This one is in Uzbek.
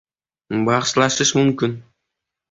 Bahslashish mumkin.